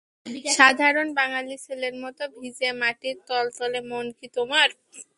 সাধারণ বাঙালি ছেলের মতো ভিজে মাটির তলতলে মন কি তোমার।